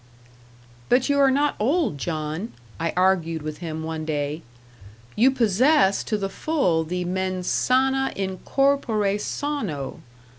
"But you are not old, John," I argued with him one day; "you possess to the full the mens sana in corpore sano.